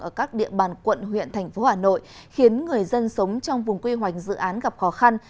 ở các địa bàn quận huyện tp hà nội khiến người dân sống trong vùng quy hoành dự án gặp khó khăn